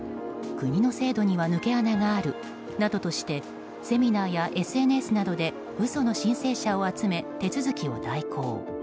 国の制度には抜け穴があるなどとしてセミナーやＳＮＳなどで嘘の申請者を集め手続きを代行。